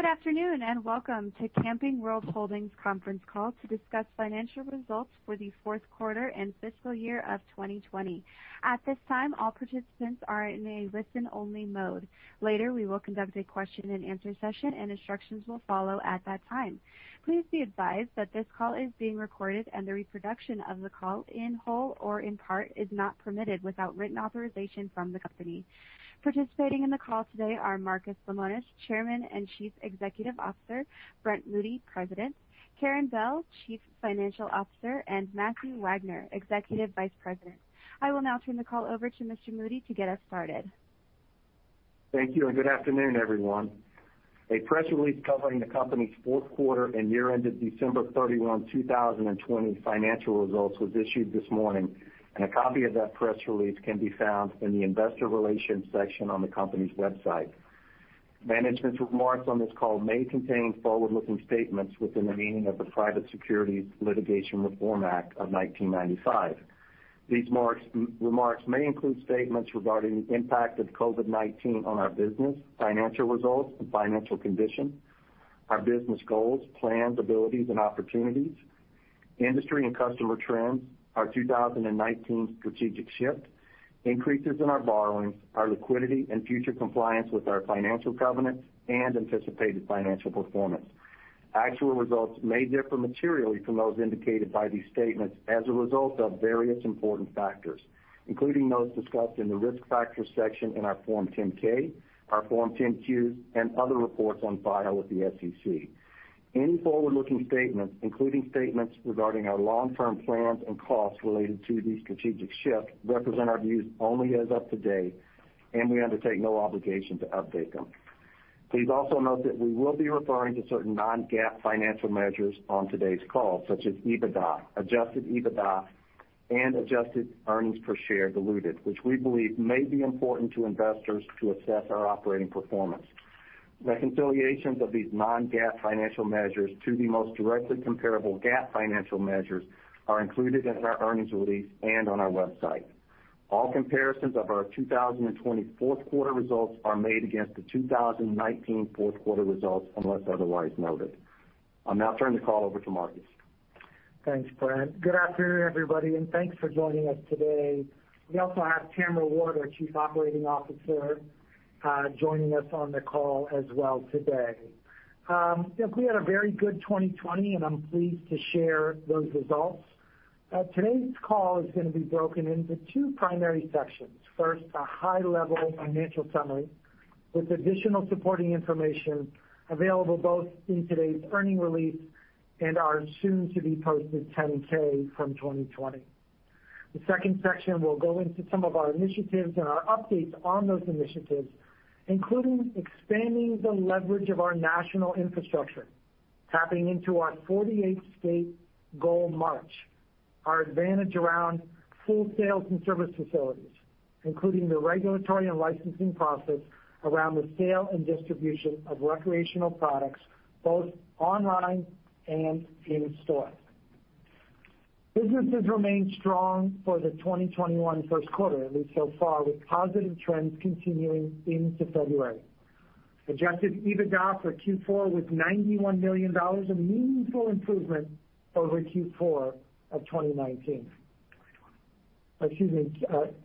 Good afternoon and welcome to Camping World Holdings' conference call to discuss financial results for the fourth quarter and fiscal year of 2020. At this time, all participants are in a listen-only mode. Later, we will conduct a question-and-answer session, and instructions will follow at that time. Please be advised that this call is being recorded, and the reproduction of the call in whole or in part is not permitted without written authorization from the company. Participating in the call today are Marcus Lemonis, Chairman and Chief Executive Officer, Brent Moody, President, Karin Bell, Chief Financial Officer, and Matthew Wagner, Executive Vice President. I will now turn the call over to Mr. Moody to get us started. Thank you, and good afternoon, everyone. A press release covering the company's fourth quarter and year-ended December 31, 2020, financial results was issued this morning, and a copy of that press release can be found in the investor relations section on the company's website. Management's remarks on this call may contain forward-looking statements within the meaning of the Private Securities Litigation Reform Act of 1995. These remarks may include statements regarding the impact of COVID-19 on our business, financial results, and financial condition, our business goals, plans, abilities, and opportunities, industry and customer trends, our 2019 strategic shift, increases in our borrowings, our liquidity, and future compliance with our financial covenants and anticipated financial performance. Actual results may differ materially from those indicated by these statements as a result of various important factors, including those discussed in the risk factors section in our Form 10-K, our Form 10-Q, and other reports on file with the SEC. Any forward-looking statements, including statements regarding our long-term plans and costs related to the strategic shift, represent our views only as of today, and we undertake no obligation to update them. Please also note that we will be referring to certain non-GAAP financial measures on today's call, such as EBITDA, Adjusted EBITDA, and adjusted earnings per share diluted, which we believe may be important to investors to assess our operating performance. Reconciliations of these non-GAAP financial measures to the most directly comparable GAAP financial measures are included in our earnings release and on our website. All comparisons of our 2020 fourth quarter results are made against the 2019 fourth quarter results unless otherwise noted. I'll now turn the call over to Marcus. Thanks, Brent. Good afternoon, everybody, and thanks for joining us today. We also have Tamara Ward our Chief Operating Officer, joining us on the call as well today. We had a very good 2020, and I'm pleased to share those results. Today's call is going to be broken into two primary sections. First, a high-level financial summary with additional supporting information available both in today's earnings release and our soon-to-be posted 10-K from 2020. The second section will go into some of our initiatives and our updates on those initiatives, including expanding the leverage of our national infrastructure, tapping into our 48-state goal march, our advantage around full sales and service facilities, including the regulatory and licensing process around the sale and distribution of recreational products both online and in store. Businesses remain strong for the 2021 first quarter, at least so far, with positive trends continuing into February. Adjusted EBITDA for Q4 was $91 million, a meaningful improvement over Q4 of 2019. Excuse me.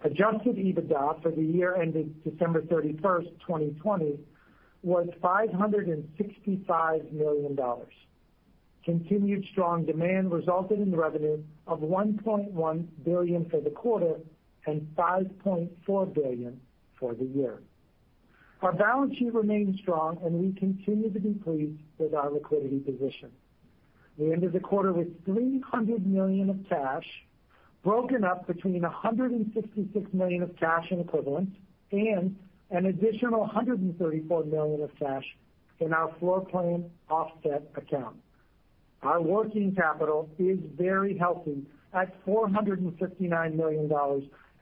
Adjusted EBITDA for the year-ended December 31, 2020, was $565 million. Continued strong demand resulted in revenue of $1.1 billion for the quarter and $5.4 billion for the year. Our balance sheet remained strong, and we continue to be pleased with our liquidity position. We ended the quarter with $300 million of cash, broken up between $166 million of cash equivalents, and an additional $134 million of cash in our Floor Plan Offset Account. Our working capital is very healthy at $459 million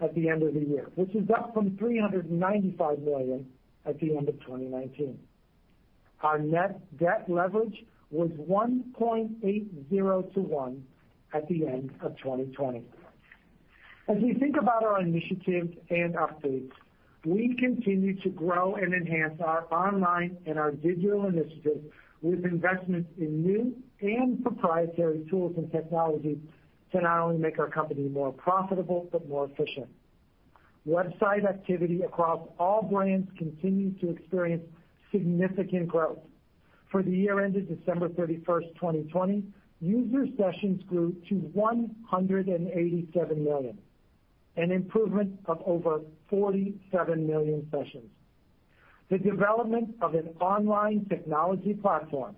at the end of the year, which is up from $395 million at the end of 2019. Our net debt leverage was 1.80 to 1 at the end of 2020. As we think about our initiatives and updates, we continue to grow and enhance our online and our digital initiatives with investments in new and proprietary tools and technologies to not only make our company more profitable but more efficient. Website activity across all brands continues to experience significant growth. For the year-ended December 31st, 2020, user sessions grew to 187 million, an improvement of over 47 million sessions. The development of an online technology platform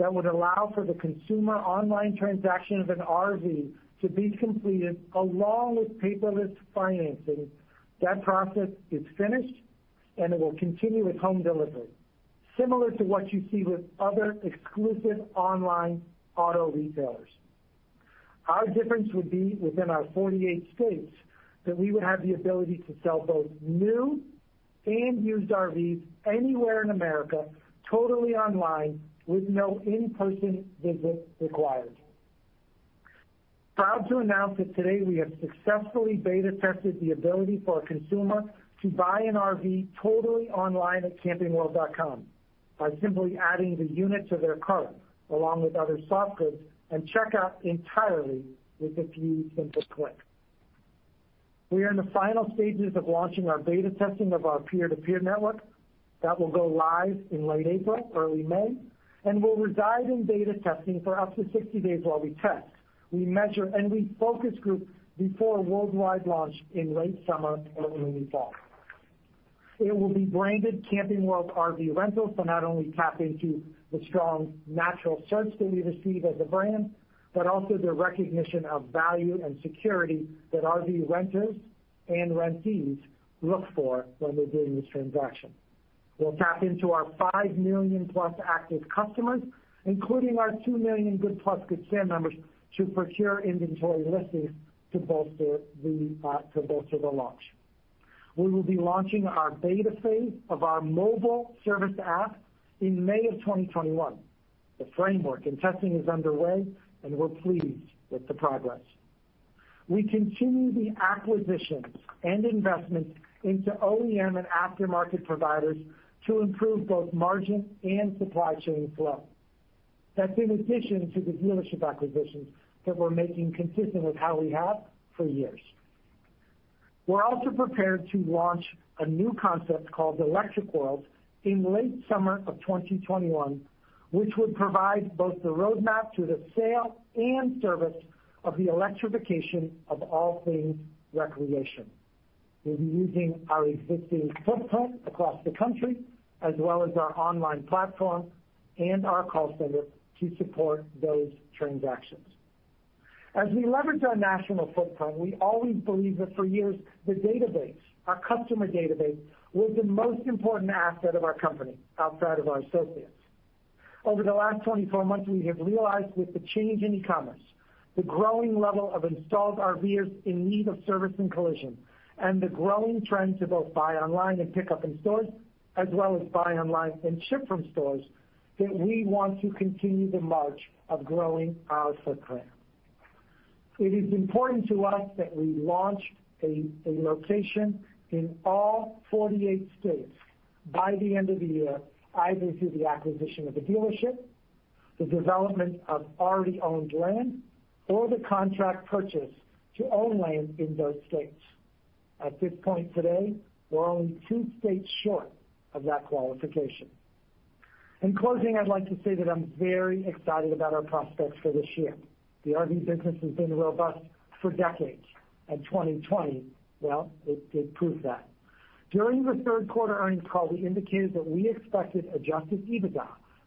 that would allow for the consumer online transaction of an RV to be completed along with paperless financing, that process is finished, and it will continue with home delivery, similar to what you see with other exclusive online auto retailers. Our difference would be, within our 48 states, that we would have the ability to sell both new and used RVs anywhere in America totally online with no in-person visit required. Proud to announce that today we have successfully beta-tested the ability for a consumer to buy an RV totally online at campingworld.com by simply adding the unit to their cart along with other soft goods and checkout entirely with a few simple clicks. We are in the final stages of launching our beta testing of our peer-to-peer network that will go live in late April, early May, and will reside in beta testing for up to 60 days while we test, we measure, and we focus group before worldwide launch in late summer or early fall. It will be branded Camping World RV Rental to not only tap into the strong natural search that we receive as a brand but also the recognition of value and security that RV renters and rentees look for when they're doing this transaction. We'll tap into our 5 million-plus active customers, including our 2 million-plus Good Sam members, to procure inventory listings to bolster the launch. We will be launching our beta phase of our mobile service app in May of 2021. The framework and testing is underway, and we're pleased with the progress. We continue the acquisitions and investments into OEM and aftermarket providers to improve both margin and supply chain flow. That's in addition to the dealership acquisitions that we're making consistent with how we have for years. We're also prepared to launch a new concept called Electric World in late summer of 2021, which would provide both the roadmap to the sale and service of the electrification of all things recreation. We'll be using our existing footprint across the country as well as our online platform and our call center to support those transactions. As we leverage our national footprint, we always believed that for years the database, our customer database, was the most important asset of our company outside of our associates. Over the last 24 months, we have realized with the change in e-commerce, the growing level of installed RVers in need of service and collision, and the growing trend to both buy online and pick up in stores, as well as buy online and ship from stores, that we want to continue the march of growing our footprint. It is important to us that we launch a location in all 48 states by the end of the year, either through the acquisition of a dealership, the development of already owned land, or the contract purchase to own land in those states. At this point today, we're only two states short of that qualification. In closing, I'd like to say that I'm very excited about our prospects for this year. The RV business has been robust for decades, and 2020, well, it proved that. During the third quarter earnings call, we indicated that we expected Adjusted EBITDA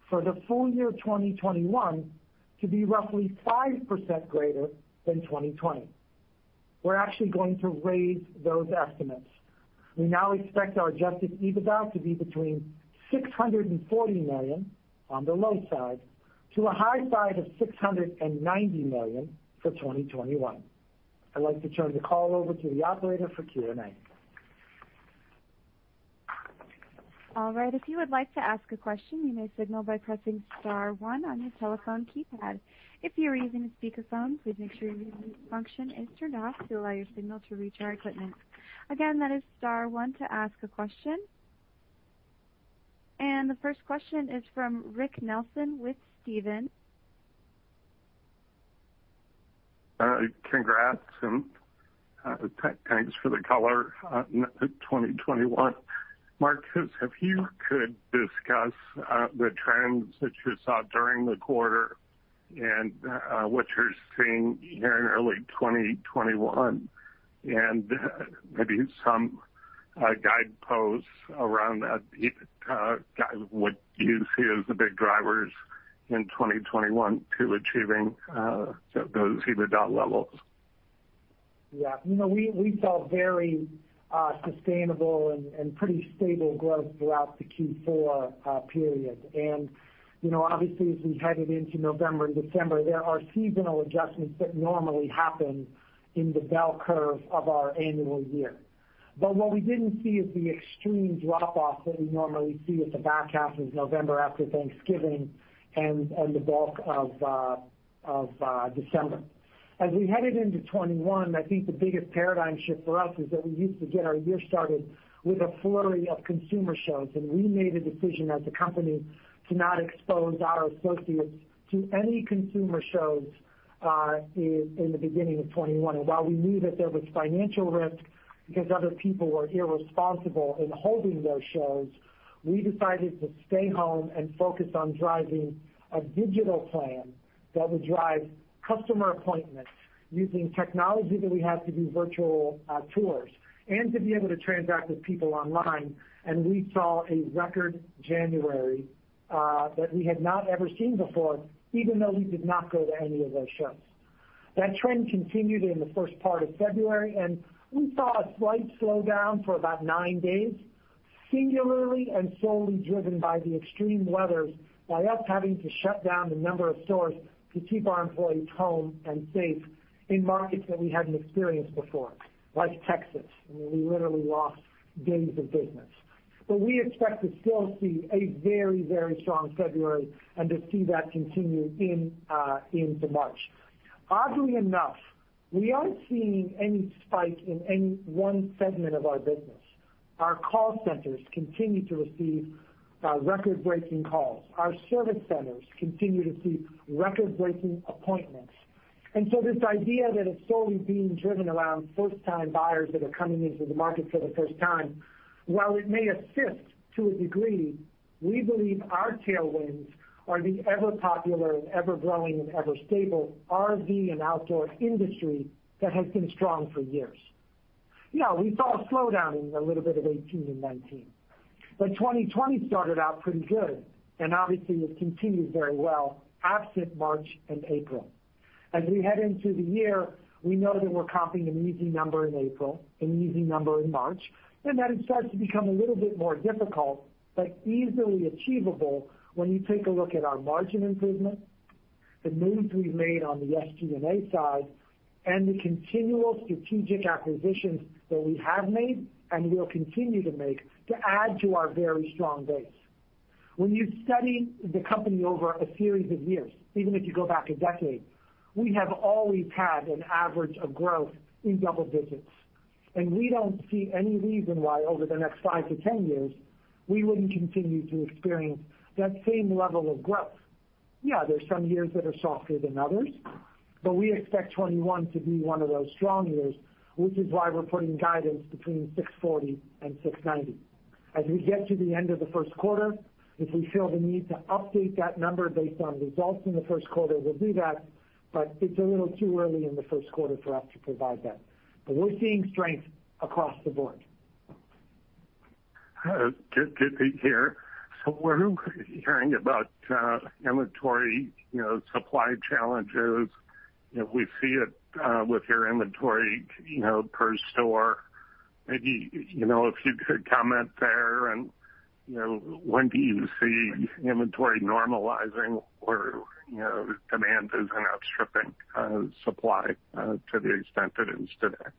for the full year 2021 to be roughly 5% greater than 2020. We're actually going to raise those estimates. We now expect our adjusted EBITDA to be between $640 million on the low side to a high side of $690 million for 2021. I'd like to turn the call over to the operator for Q&A. All right. If you would like to ask a question, you may signal by pressing star one on your telephone keypad. If you are using a speakerphone, please make sure your mute function is turned off to allow your signal to reach our equipment. Again, that is star one to ask a question. And the first question is from Rick Nelson with Stephens. Congrats and thanks for the color 2021. Marcus, if you could discuss the trends that you saw during the quarter and what you're seeing here in early 2021, and maybe some guideposts around what you see as the big drivers in 2021 to achieving those EBITDA levels. Yeah. We saw very sustainable and pretty stable growth throughout the Q4 period, and obviously, as we headed into November and December, there are seasonal adjustments that normally happen in the bell curve of our annual year, but what we didn't see is the extreme drop-off that we normally see at the back half of November after Thanksgiving and the bulk of December. As we headed into 2021, I think the biggest paradigm shift for us is that we used to get our year started with a flurry of consumer shows, and we made a decision as a company to not expose our associates to any consumer shows in the beginning of 2021. And while we knew that there was financial risk because other people were irresponsible in holding those shows, we decided to stay home and focus on driving a digital plan that would drive customer appointments using technology that we have to do virtual tours and to be able to transact with people online. And we saw a record January that we had not ever seen before, even though we did not go to any of those shows. That trend continued in the first part of February, and we saw a slight slowdown for about nine days, singularly and solely driven by the extreme weather, by us having to shut down the number of stores to keep our employees home and safe in markets that we hadn't experienced before, like Texas. We literally lost days of business. But we expect to still see a very, very strong February and to see that continue into March. Oddly enough, we aren't seeing any spike in any one segment of our business. Our call centers continue to receive record-breaking calls. Our service centers continue to see record-breaking appointments. And so this idea that it's solely being driven around first-time buyers that are coming into the market for the first time, while it may assist to a degree, we believe our tailwinds are the ever-popular and ever-growing and ever-stable RV and outdoor industry that has been strong for years. Yeah, we saw a slowdown in a little bit of 2018 and 2019. But 2020 started out pretty good, and obviously, it continued very well absent March and April. As we head into the year, we know that we're comping an easy number in April, an easy number in March, and that it starts to become a little bit more difficult but easily achievable when you take a look at our margin improvement, the moves we've made on the SG&A side, and the continual strategic acquisitions that we have made and will continue to make to add to our very strong base. When you study the company over a series of years, even if you go back a decade, we have always had an average of growth in double digits. And we don't see any reason why over the next five to 10 years, we wouldn't continue to experience that same level of growth. Yeah, there are some years that are softer than others, but we expect 2021 to be one of those strong years, which is why we're putting guidance between $640 and $690. As we get to the end of the first quarter, if we feel the need to update that number based on results in the first quarter, we'll do that, but it's a little too early in the first quarter for us to provide that. But we're seeing strength across the board. Good to be here. So we're hearing about inventory supply challenges. We see it with your inventory per store. Maybe if you could comment there, and when do you see inventory normalizing or demand isn't outstripping supply to the extent that it is today?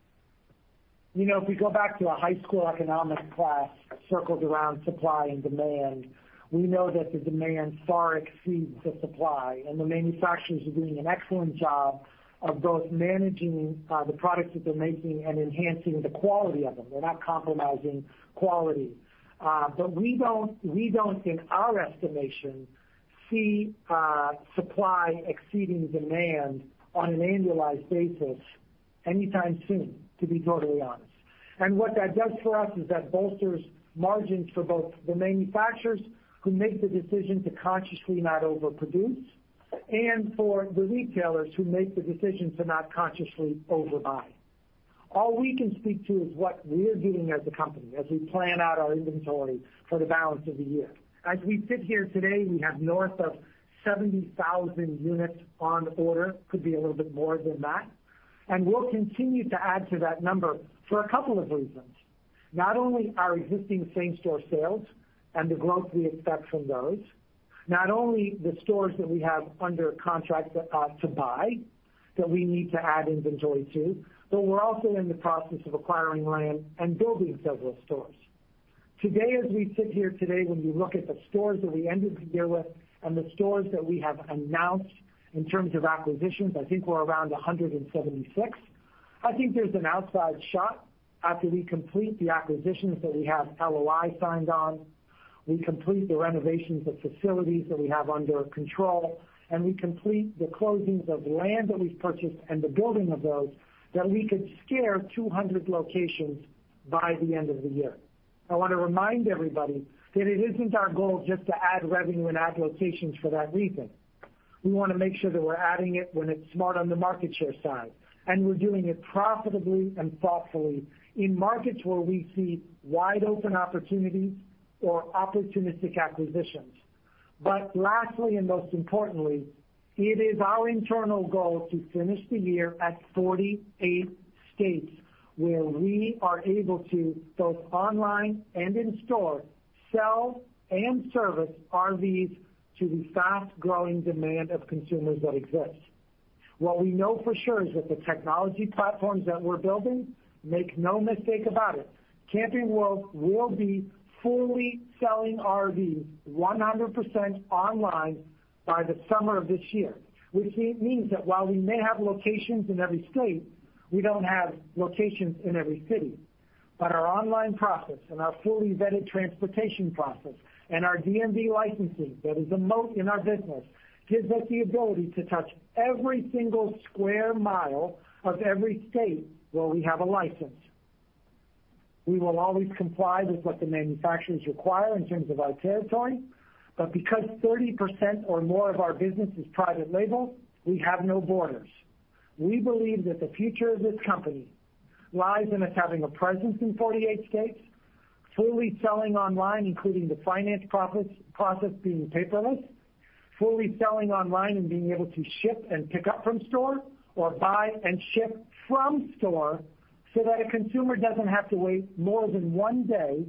If we go back to a high school economics class circled around supply and demand, we know that the demand far exceeds the supply. And the manufacturers are doing an excellent job of both managing the products that they're making and enhancing the quality of them. They're not compromising quality. But we don't, in our estimation, see supply exceeding demand on an annualized basis anytime soon, to be totally honest. And what that does for us is that bolsters margins for both the manufacturers who make the decision to consciously not overproduce and for the retailers who make the decision to not consciously overbuy. All we can speak to is what we're doing as a company as we plan out our inventory for the balance of the year. As we sit here today, we have north of 70,000 units on order, could be a little bit more than that. We'll continue to add to that number for a couple of reasons. Not only our existing same-store sales and the growth we expect from those, not only the stores that we have under contract to buy that we need to add inventory to, but we're also in the process of acquiring land and building several stores. Today, as we sit here today, when you look at the stores that we ended the year with and the stores that we have announced in terms of acquisitions, I think we're around 176. I think there's an outside shot after we complete the acquisitions that we have LOI signed on, we complete the renovations of facilities that we have under control, and we complete the closings of land that we've purchased and the building of those that we could near 200 locations by the end of the year. I want to remind everybody that it isn't our goal just to add revenue and add locations for that reason. We want to make sure that we're adding it when it's smart on the market share side, and we're doing it profitably and thoughtfully in markets where we see wide-open opportunities or opportunistic acquisitions, but lastly, and most importantly, it is our internal goal to finish the year at 48 states where we are able to, both online and in store, sell and service RVs to the fast-growing demand of consumers that exist. What we know for sure is that the technology platforms that we're building, make no mistake about it, Camping World will be fully selling RVs 100% online by the summer of this year, which means that while we may have locations in every state, we don't have locations in every city. But our online process and our fully vetted transportation process and our DMV licensing that is a moat in our business gives us the ability to touch every single square miles of every state where we have a license. We will always comply with what the manufacturers require in terms of our territory, but because 30% or more of our business is private label, we have no borders. We believe that the future of this company lies in us having a presence in 48 states, fully selling online, including the finance process being paperless, fully selling online and being able to ship and pick up from store, or buy and ship from store so that a consumer doesn't have to wait more than one day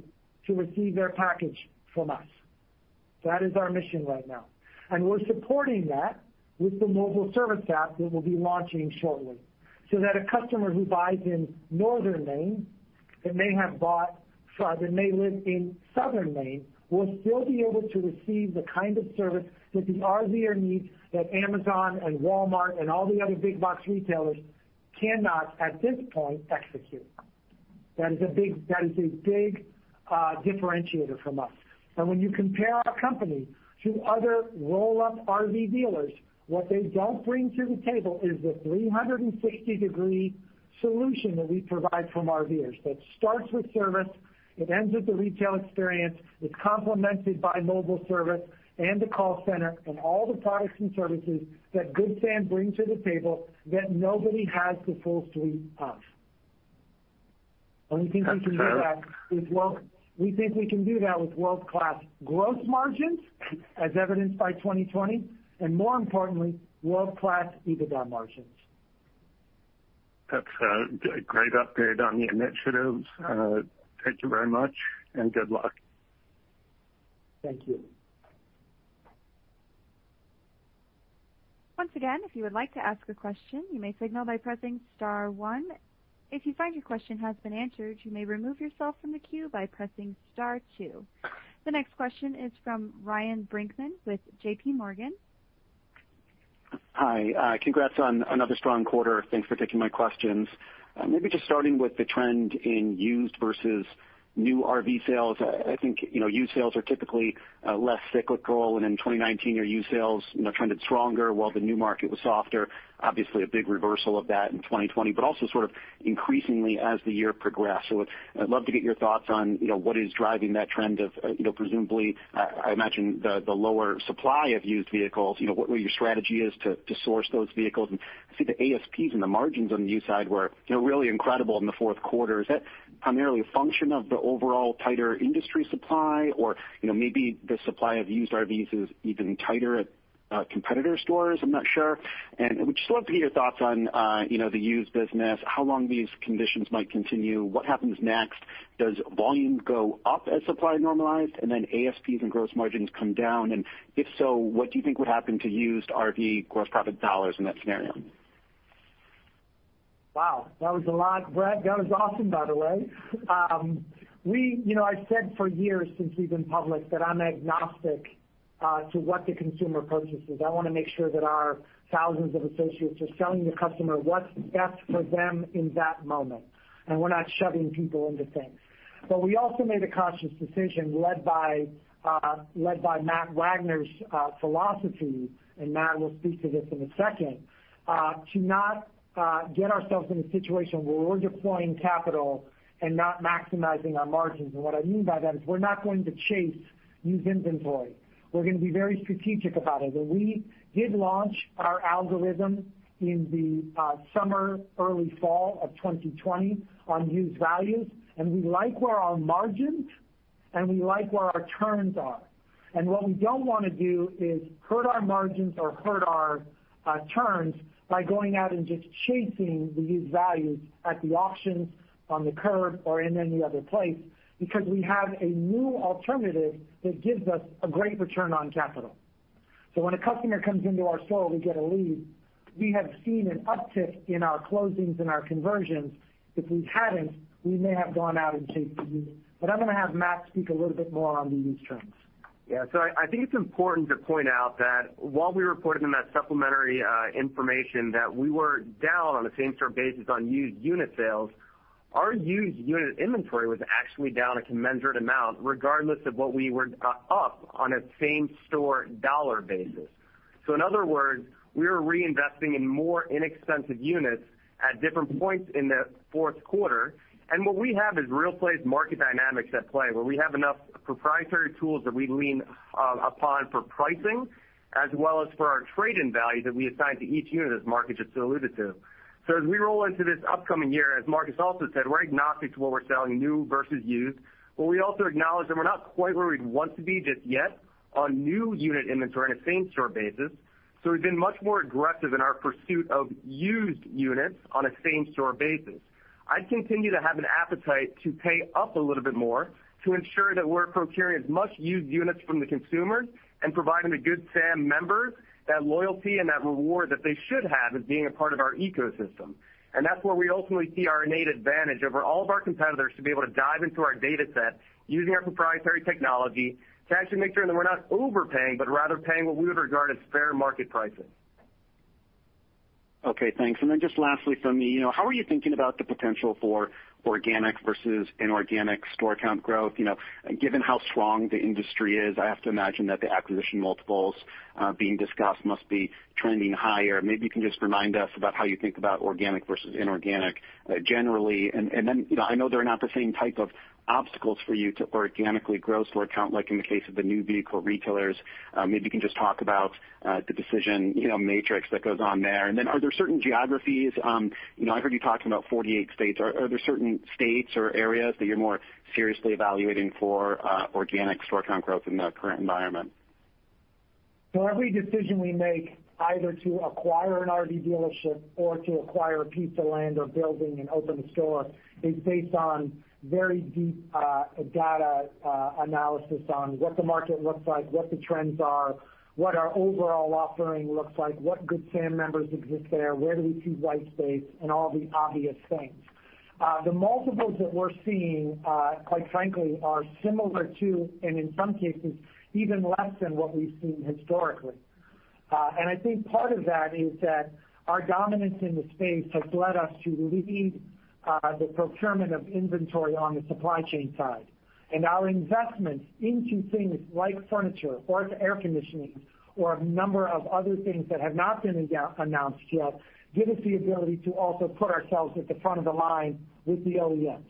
to receive their package from us. That is our mission right now. We're supporting that with the mobile service app that we'll be launching shortly so that a customer who buys in Northern Maine that may live in Southern Maine will still be able to receive the kind of service that the RVer needs that Amazon and Walmart and all the other big-box retailers cannot, at this point, execute. That is a big differentiator from us. When you compare our company to other roll-up RV dealers, what they don't bring to the table is the 360-degree solution that we provide for RVers that starts with service. It ends with the retail experience. It's complemented by mobile service and the call center and all the products and services that Good Sam brings to the table that nobody has the full suite of. We think we can do that with world-class gross margins, as evidenced by 2020, and more importantly, world-class EBITDA margins. That's a great update on the initiatives. Thank you very much and good luck. Thank you. Once again, if you would like to ask a question, you may signal by pressing star one. If you find your question has been answered, you may remove yourself from the queue by pressing star two. The next question is from Ryan Brinkman with JPMorgan. Hi. Congrats on another strong quarter. Thanks for taking my questions. Maybe just starting with the trend in used versus new RV sales. I think used sales are typically less cyclical, and in 2019, your used sales trended stronger while the new market was softer. Obviously, a big reversal of that in 2020, but also sort of increasingly as the year progressed. So I'd love to get your thoughts on what is driving that trend of presumably, I imagine, the lower supply of used vehicles, what your strategy is to source those vehicles. I see the ASPs and the margins on the new side were really incredible in the fourth quarter. Is that primarily a function of the overall tighter industry supply, or maybe the supply of used RVs is even tighter at competitor stores? I'm not sure. And we'd just love to get your thoughts on the used business, how long these conditions might continue, what happens next, does volume go up as supply normalized, and then ASPs and gross margins come down? And if so, what do you think would happen to used RV gross profit dollars in that scenario? Wow. That was a lot. Ryan, that was awesome, by the way. I've said for years since we've been public that I'm agnostic to what the consumer purchases. I want to make sure that our thousands of associates are selling the customer what's best for them in that moment, and we're not shoving people into things, but we also made a conscious decision led by Matt Wagner's philosophy, and Matt will speak to this in a second, to not get ourselves in a situation where we're deploying capital and not maximizing our margins, and what I mean by that is we're not going to chase used inventory. We're going to be very strategic about it, and we did launch our algorithm in the summer, early fall of 2020 on used values, and we like where our margins and we like where our turns are. What we don't want to do is hurt our margins or hurt our turns by going out and just chasing the used values at the auctions, on the curb, or in any other place because we have a new alternative that gives us a great return on capital. When a customer comes into our store, we get a lead. We have seen an uptick in our closings and our conversions. If we hadn't, we may have gone out and chased the used. I'm going to have Matt speak a little bit more on the used trends. Yeah. So I think it's important to point out that while we reported in that supplementary information that we were down on a same-store basis on used unit sales, our used unit inventory was actually down a commensurate amount regardless of what we were up on a same-store dollar basis. So in other words, we were reinvesting in more inexpensive units at different points in the fourth quarter. And what we have is real-time market dynamics at play where we have enough proprietary tools that we lean upon for pricing as well as for our trade-in value that we assign to each unit, as Marcus has just alluded to. So as we roll into this upcoming year, as Marcus has also said, we're agnostic to what we're selling, new versus used. But we also acknowledge that we're not quite where we'd want to be just yet on new unit inventory on a same-store basis. So we've been much more aggressive in our pursuit of used units on a same-store basis. I'd continue to have an appetite to pay up a little bit more to ensure that we're procuring as much used units from the consumers and providing the Good Sam members that loyalty and that reward that they should have as being a part of our ecosystem. And that's where we ultimately see our innate advantage over all of our competitors to be able to dive into our dataset using our proprietary technology to actually make sure that we're not overpaying but rather paying what we would regard as fair market pricing. Okay. Thanks. And then just lastly from me, how are you thinking about the potential for organic versus inorganic store count growth? Given how strong the industry is, I have to imagine that the acquisition multiples being discussed must be trending higher. Maybe you can just remind us about how you think about organic versus inorganic generally. And then I know there are not the same type of obstacles for you to organically grow store count like in the case of the new vehicle retailers. Maybe you can just talk about the decision matrix that goes on there. And then are there certain geographies? I heard you talking about 48 states. Are there certain states or areas that you're more seriously evaluating for organic store count growth in the current environment? Every decision we make either to acquire an RV dealership or to acquire a piece of land or building and open a store is based on very deep data analysis on what the market looks like, what the trends are, what our overall offering looks like, what Good Sam members exist there, where do we see white space, and all the obvious things. The multiples that we're seeing, quite frankly, are similar to, and in some cases, even less than what we've seen historically. And I think part of that is that our dominance in the space has led us to lead the procurement of inventory on the supply chain side. And our investments into things like furniture or air conditioning or a number of other things that have not been announced yet give us the ability to also put ourselves at the front of the line with the OEMs.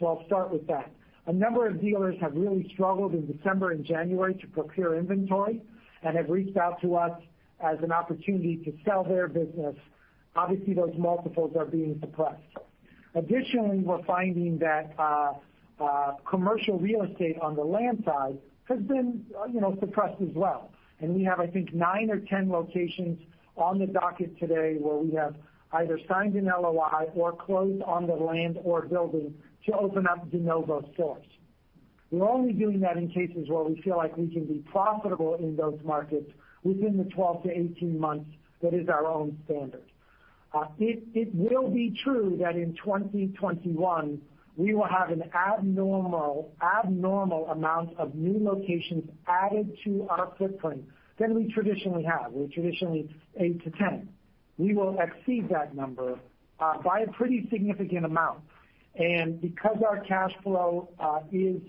So I'll start with that. A number of dealers have really struggled in December and January to procure inventory and have reached out to us as an opportunity to sell their business. Obviously, those multiples are being suppressed. Additionally, we're finding that commercial real estate on the land side has been suppressed as well. And we have, I think, nine or 10 locations on the docket today where we have either signed an LOI or closed on the land or building to open up de novo stores. We're only doing that in cases where we feel like we can be profitable in those markets within the 12 to 18 months that is our own standard. It will be true that in 2021, we will have an abnormal amount of new locations added to our footprint than we traditionally have. We're traditionally eight to 10. We will exceed that number by a pretty significant amount, and because our cash flow is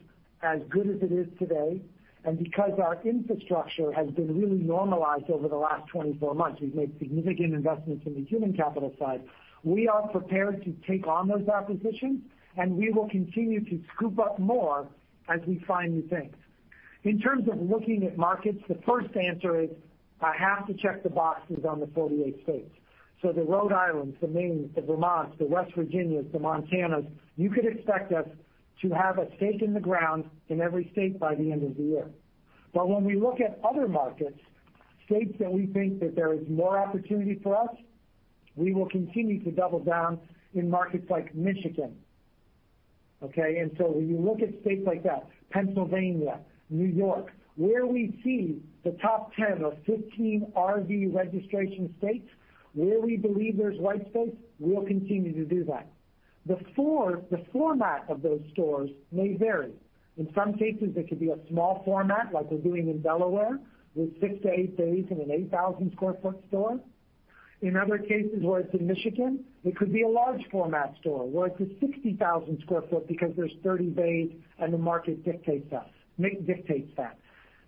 as good as it is today and because our infrastructure has been really normalized over the last 24 months, we've made significant investments in the human capital side, we are prepared to take on those acquisitions, and we will continue to scoop up more as we find new things. In terms of looking at markets, the first answer is I have to check the boxes on the 48 states, so the Rhode Islands, the Maines, the Vermonts, the West Virginia, the Montanas, you could expect us to have a stake in the ground in every state by the end of the year, but when we look at other markets, states that we think that there is more opportunity for us, we will continue to double down in markets like Michigan. Okay? When you look at states like that, Pennsylvania, New York, where we see the top 10 or 15 RV registration states where we believe there's white space, we'll continue to do that. The format of those stores may vary. In some cases, it could be a small format like we're doing in Delaware with 6-8 bays in an 8,000 square feet store. In other cases where it's in Michigan, it could be a large-format store where it's a 60,000 square feet because there's 30 bays and the market dictates that.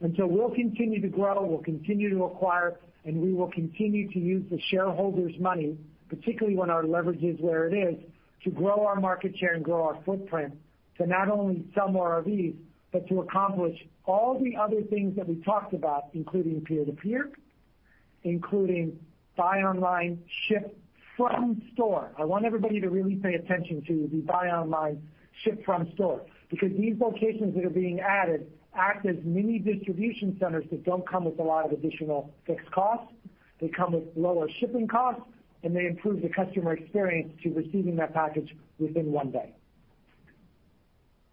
And so we'll continue to grow, we'll continue to acquire, and we will continue to use the shareholders' money, particularly when our leverage is where it is, to grow our market share and grow our footprint to not only sell more RVs but to accomplish all the other things that we talked about, including peer-to-peer, including buy online, ship from store. I want everybody to really pay attention to the buy online, ship from store because these locations that are being added act as mini distribution centers that don't come with a lot of additional fixed costs. They come with lower shipping costs, and they improve the customer experience to receiving that package within one day.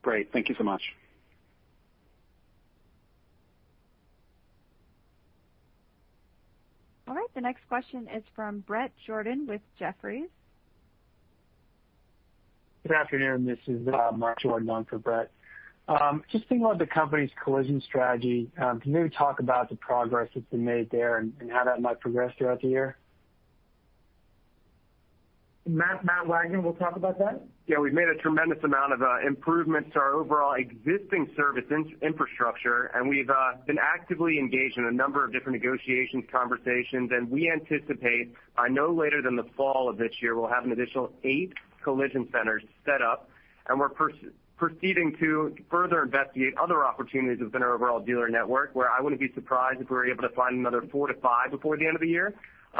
Great. Thank you so much. All right. The next question is from Bret Jordan with Jefferies. Good afternoon. This is Mark Jordan for Bret. Just thinking about the company's collision strategy, can you maybe talk about the progress that's been made there and how that might progress throughout the year? Matt Wagner, we'll talk about that. Yeah. We've made a tremendous amount of improvements to our overall existing service infrastructure, and we've been actively engaged in a number of different negotiations, conversations, and we anticipate, no later than the fall of this year, we'll have an additional eight collision centers set up, and we're proceeding to further investigate other opportunities within our overall dealer network where I wouldn't be surprised if we were able to find another four to five before the end of the year.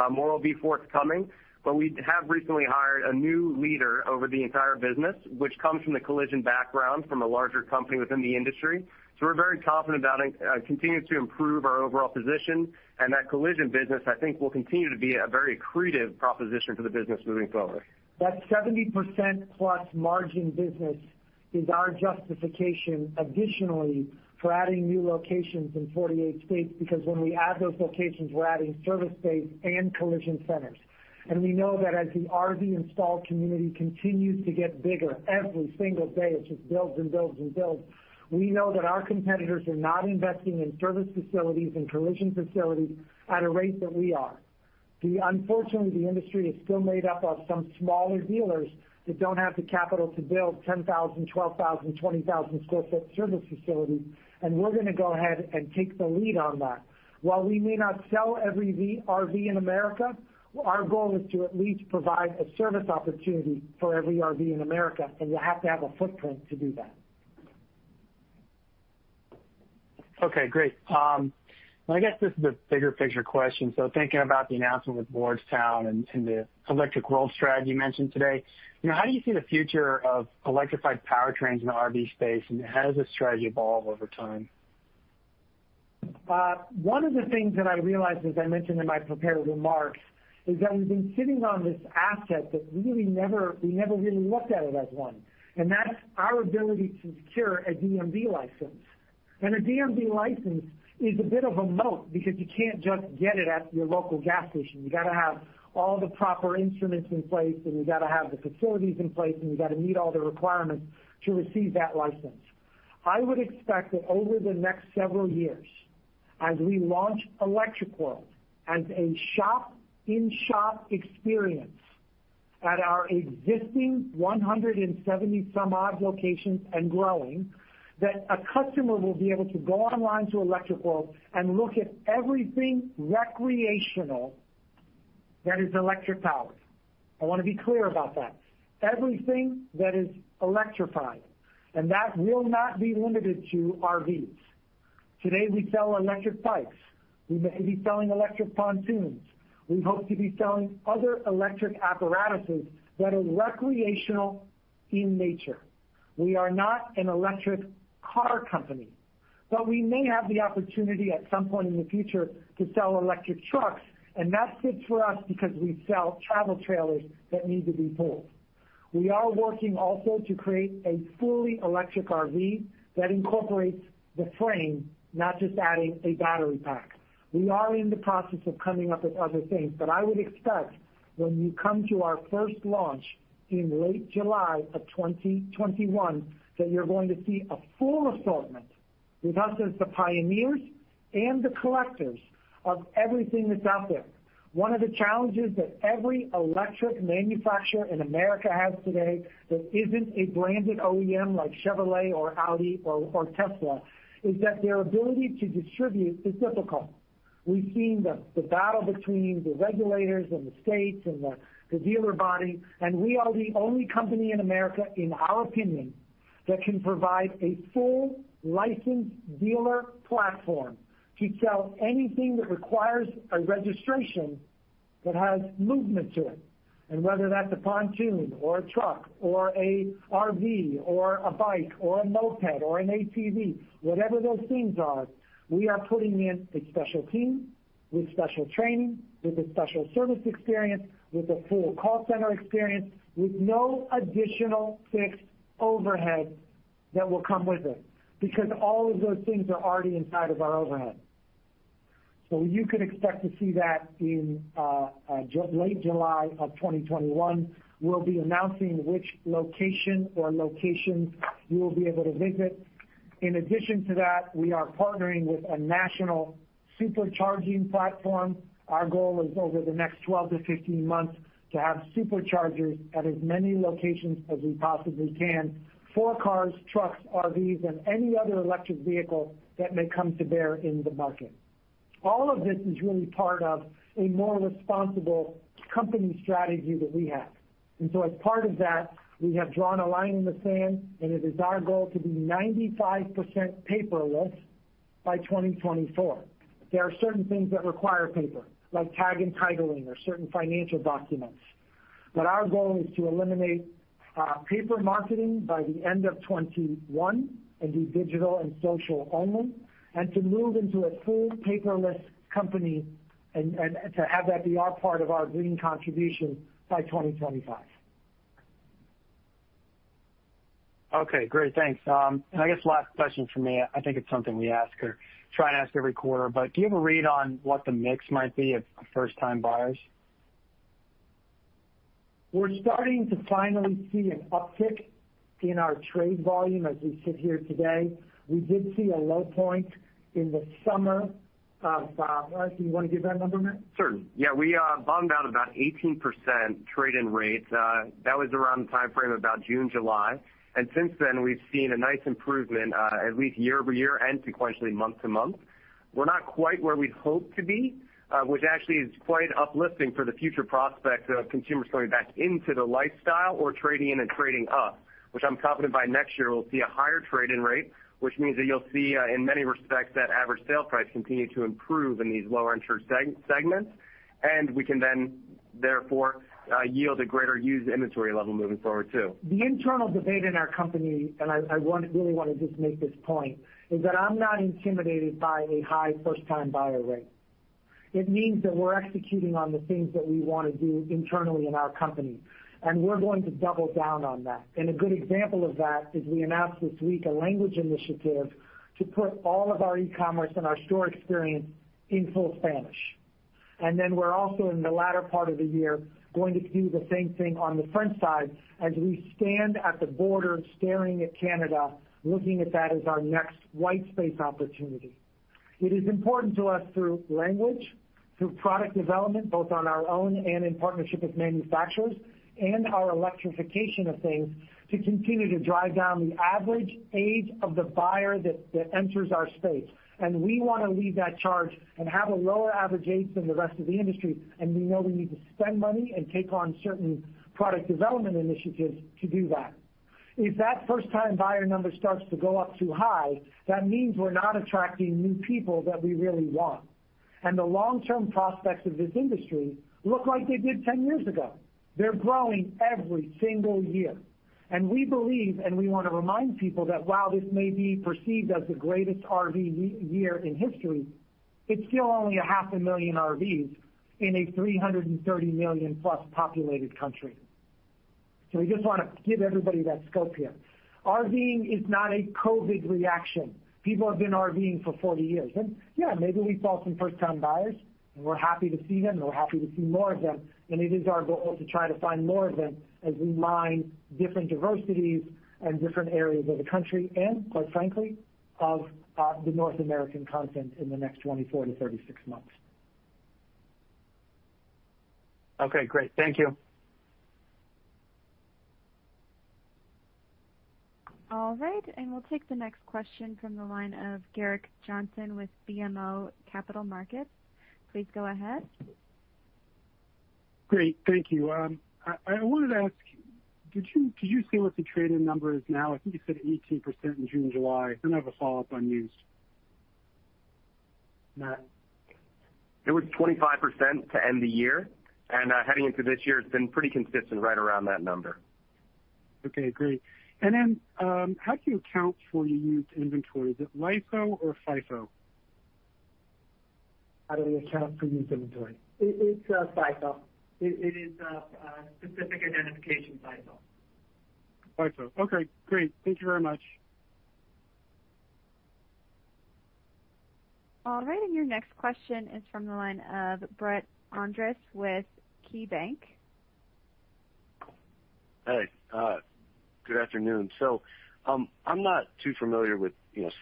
More will be forthcoming, but we have recently hired a new leader over the entire business, which comes from the collision background from a larger company within the industry, so we're very confident about continuing to improve our overall position, and that collision business, I think, will continue to be a very accretive proposition for the business moving forward. That 70% plus margin business is our justification additionally for adding new locations in 48 states because when we add those locations, we're adding service space and collision centers. And we know that as the RV installed community continues to get bigger every single day, it just builds and builds and builds, we know that our competitors are not investing in service facilities and collision facilities at a rate that we are. Unfortunately, the industry is still made up of some smaller dealers that don't have the capital to build 10,000-, 12,000-, 20,000-sq-ft service facilities, and we're going to go ahead and take the lead on that. While we may not sell every RV in America, our goal is to at least provide a service opportunity for every RV in America, and we have to have a footprint to do that. Okay. Great. I guess this is a bigger picture question. So thinking about the announcement with Lordstown and the Electric World strategy you mentioned today, how do you see the future of electrified powertrains in the RV space, and how does the strategy evolve over time? One of the things that I realized, as I mentioned in my prepared remarks, is that we've been sitting on this asset that we never really looked at it as one, and that's our ability to secure a DMV license, and a DMV license is a bit of a moat because you can't just get it at your local gas station. You've got to have all the proper instruments in place, and you've got to have the facilities in place, and you've got to meet all the requirements to receive that license. I would expect that over the next several years, as we launch Electric World as a shop-in-shop experience at our existing 170-some-odd locations and growing, that a customer will be able to go online to Electric World and look at everything recreational that is electric powered. I want to be clear about that. Everything that is electrified. And that will not be limited to RVs. Today, we sell electric bikes. We may be selling electric pontoons. We hope to be selling other electric apparatuses that are recreational in nature. We are not an electric car company. But we may have the opportunity at some point in the future to sell electric trucks, and that fits for us because we sell travel trailers that need to be pulled. We are working also to create a fully electric RV that incorporates the frame, not just adding a battery pack. We are in the process of coming up with other things. But I would expect when you come to our first launch in late July of 2021 that you're going to see a full assortment with us as the pioneers and the collectors of everything that's out there. One of the challenges that every electric manufacturer in America has today that isn't a branded OEM like Chevrolet or Audi or Tesla is that their ability to distribute is difficult. We've seen the battle between the regulators and the states and the dealer body. And we are the only company in America, in our opinion, that can provide a full licensed dealer platform to sell anything that requires a registration that has movement to it. And whether that's a pontoon or a truck or an RV or a bike or a moped or an ATV, whatever those things are, we are putting in a special team with special training, with a special service experience, with a full call center experience, with no additional fixed overhead that will come with it because all of those things are already inside of our overhead. You can expect to see that in late July of 2021. We'll be announcing which location or locations you will be able to visit. In addition to that, we are partnering with a national supercharging platform. Our goal is over the next 12 to 15 months to have superchargers at as many locations as we possibly can for cars, trucks, RVs, and any other electric vehicle that may come to bear in the market. All of this is really part of a more responsible company strategy that we have. And so as part of that, we have drawn a line in the sand, and it is our goal to be 95% paperless by 2024. There are certain things that require paper, like tag and titling or certain financial documents. But our goal is to eliminate paper marketing by the end of 2021 and be digital and social only, and to move into a full paperless company and to have that be our part of our green contribution by 2025. Okay. Great. Thanks. And I guess last question for me. I think it's something we ask or try to ask every quarter. But do you have a read on what the mix might be of first-time buyers? We're starting to finally see an uptick in our trade volume as we sit here today. We did see a low point in the summer. Do you want to give that number, Matt? Certainly. Yeah. We bottomed out about 18% trade-in rate. That was around the time frame of about June, July. And since then, we've seen a nice improvement at least year over year and sequentially month to month. We're not quite where we'd hoped to be, which actually is quite uplifting for the future prospects of consumers coming back into the lifestyle or trading in and trading up, which I'm confident by next year we'll see a higher trade-in rate, which means that you'll see in many respects that average sale price continue to improve in these lower-end segments. And we can then therefore yield a greater used inventory level moving forward too. The internal debate in our company, and I really want to just make this point, is that I'm not intimidated by a high first-time buyer rate. It means that we're executing on the things that we want to do internally in our company. And we're going to double down on that. And a good example of that is we announced this week a language initiative to put all of our e-commerce and our store experience in full Spanish. And then we're also in the latter part of the year going to do the same thing on the French side as we stand at the border staring at Canada, looking at that as our next white space opportunity. It is important to us through language, through product development, both on our own and in partnership with manufacturers, and our electrification of things to continue to drive down the average age of the buyer that enters our space. And we want to lead that charge and have a lower average age than the rest of the industry. And we know we need to spend money and take on certain product development initiatives to do that. If that first-time buyer number starts to go up too high, that means we're not attracting new people that we really want. And the long-term prospects of this industry look like they did 10 years ago. They're growing every single year. And we believe, and we want to remind people that while this may be perceived as the greatest RV year in history, it's still only 500,000 RVs in a 330 million-plus populated country. So we just want to give everybody that scope here. RVing is not a COVID reaction. People have been RVing for 40 years. And yeah, maybe we saw some first-time buyers, and we're happy to see them, and we're happy to see more of them. And it is our goal to try to find more of them as we line different diversities and different areas of the country and, quite frankly, of the North American continent in the next 24-36 months. Okay. Great. Thank you. All right. And we'll take the next question from the line of Gerrick Johnson with BMO Capital Markets. Please go ahead. Great. Thank you. I wanted to ask, could you say what the trade-in number is now? I think you said 18% in June and July. I don't have a follow-up on used. It was 25% to end the year, and heading into this year, it's been pretty consistent right around that number. Okay. Great, and then how do you account for your used inventory? Is it LIFO or FIFO? How do we account for used inventory? It's FIFO. It is a specific identification FIFO. FIFO. Okay. Great. Thank you very much. All right. And your next question is from the line of Brett Andress with KeyBanc. Hey. Good afternoon. I'm not too familiar with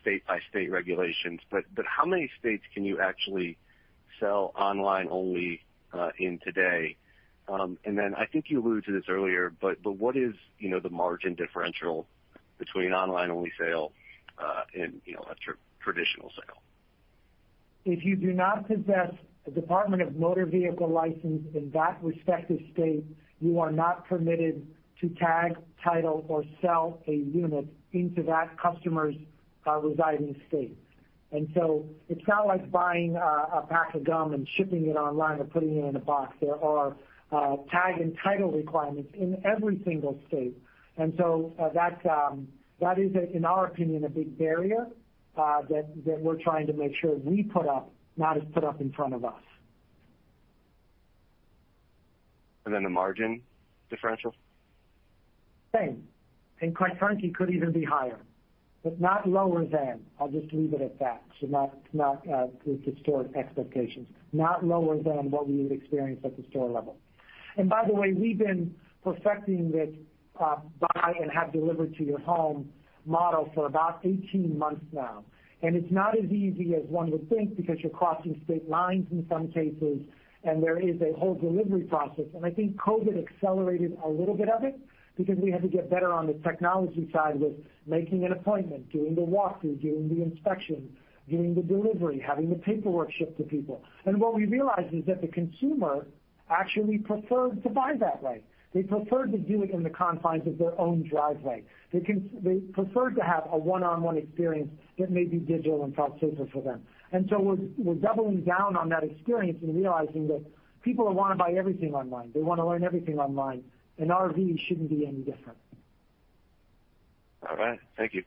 state-by-state regulations, but how many states can you actually sell online-only in today? I think you alluded to this earlier, but what is the margin differential between online-only sale and in-store traditional sale? If you do not possess a Department of Motor Vehicles license in that respective state, you are not permitted to tag, title, or sell a unit into that customer's residing state. And so it's not like buying a pack of gum and shipping it online or putting it in a box. There are tag and title requirements in every single state. And so that is, in our opinion, a big barrier that we're trying to make sure we put up, not is put up in front of us. And then the margin differential? Same. And quite frankly, could even be higher, but not lower than. I'll just leave it at that. So not with the store expectations. Not lower than what we would experience at the store level. And by the way, we've been perfecting this buy and have delivered to your home model for about 18 months now. And it's not as easy as one would think because you're crossing state lines in some cases, and there is a whole delivery process. And I think COVID accelerated a little bit of it because we had to get better on the technology side with making an appointment, doing the walk-through, doing the inspection, doing the delivery, having the paperwork shipped to people. And what we realized is that the consumer actually preferred to buy that way. They preferred to do it in the confines of their own driveway. They preferred to have a one-on-one experience that may be digital and felt safer for them, and so we're doubling down on that experience and realizing that people want to buy everything online. They want to learn everything online. An RV shouldn't be any different. All right. Thank you.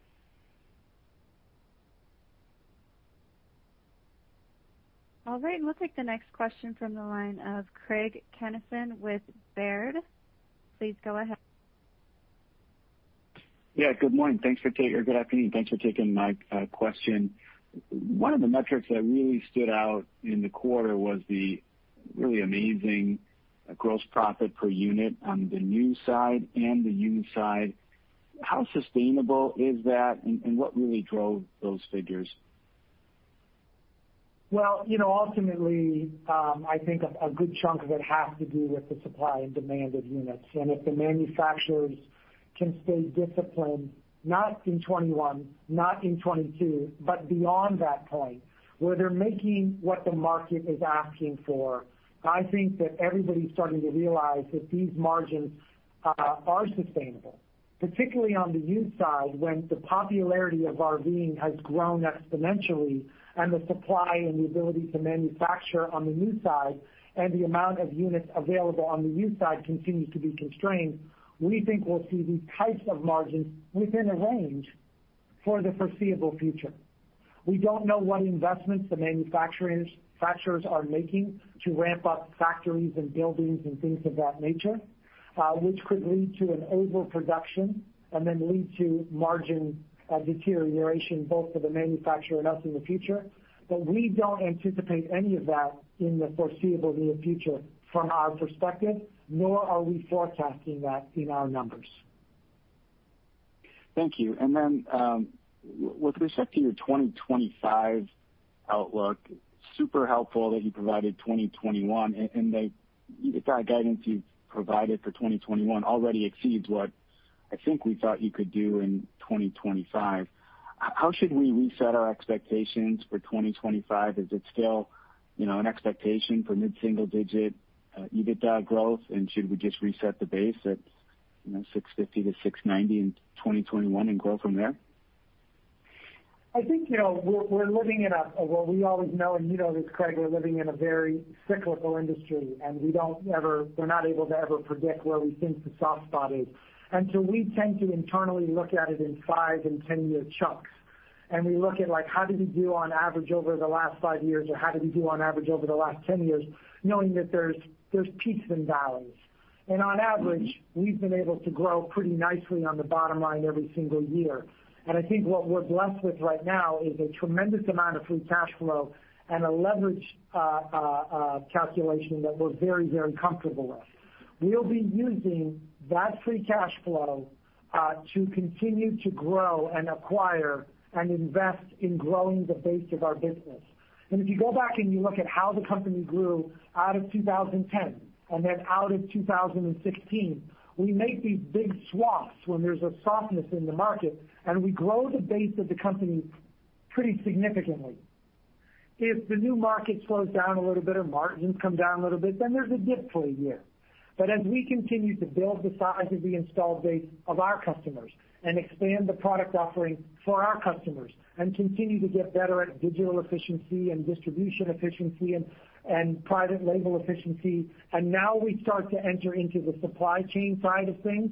All right. And we'll take the next question from the line of Craig Kennison with Baird. Please go ahead. Yeah. Good morning or good afternoon. Thanks for taking my question. One of the metrics that really stood out in the quarter was the really amazing gross profit per unit on the new side and the used side. How sustainable is that, and what really drove those figures? Well, ultimately, I think a good chunk of it has to do with the supply and demand of units. And if the manufacturers can stay disciplined, not in 2021, not in 2022, but beyond that point, where they're making what the market is asking for, I think that everybody's starting to realize that these margins are sustainable, particularly on the used side when the popularity of RVing has grown exponentially and the supply and the ability to manufacture on the new side and the amount of units available on the used side continues to be constrained. We think we'll see these types of margins within a range for the foreseeable future. We don't know what investments the manufacturers are making to ramp up factories and buildings and things of that nature, which could lead to an overproduction and then lead to margin deterioration both for the manufacturer and us in the future, but we don't anticipate any of that in the foreseeable near future from our perspective, nor are we forecasting that in our numbers. Thank you. And then with respect to your 2025 outlook, super helpful that you provided for 2021. And the guidance you've provided for 2021 already exceeds what I think we thought you could do in 2025. How should we reset our expectations for 2025? Is it still an expectation for mid-single digit EBITDA growth, and should we just reset the base at $650-$690 in 2021 and grow from there? I think we're living in a, well, we always know, and you know this, Craig, we're living in a very cyclical industry, and we're not able to ever predict where we think the soft spot is, and so we tend to internally look at it in five and 10-year chunks, and we look at how did we do on average over the last five years or how did we do on average over the last 10 years, knowing that there's peaks and valleys, and on average, we've been able to grow pretty nicely on the bottom line every single year, and I think what we're blessed with right now is a tremendous amount of free cash flow and a leverage calculation that we're very, very comfortable with. We'll be using that free cash flow to continue to grow and acquire and invest in growing the base of our business. And if you go back and you look at how the company grew out of 2010 and then out of 2016, we make these big swaths when there's a softness in the market, and we grow the base of the company pretty significantly. If the new market slows down a little bit or margins come down a little bit, then there's a dip for a year. But as we continue to build the size of the installed base of our customers and expand the product offering for our customers and continue to get better at digital efficiency and distribution efficiency and private label efficiency, and now we start to enter into the supply chain side of things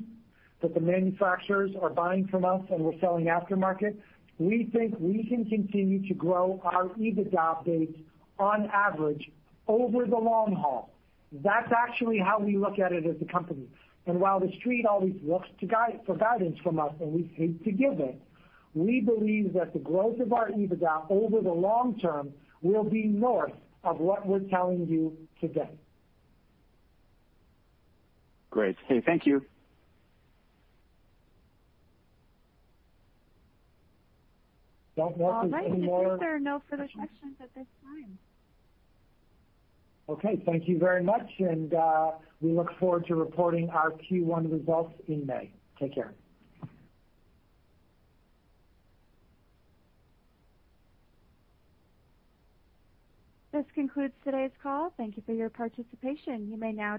that the manufacturers are buying from us and we're selling aftermarket, we think we can continue to grow our EBITDA base on average over the long haul. That's actually how we look at it as a company, and while the street always looks for guidance from us, and we hate to give it, we believe that the growth of our EBITDA over the long term will be north of what we're telling you today. Great. Hey, thank you. Don't know if there's any more. All right. Thank you, sir. No further questions at this time. Okay. Thank you very much and we look forward to reporting our Q1 results in May. Take care. This concludes today's call. Thank you for your participation. You may now.